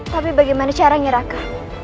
tapi bagaimana caranya raka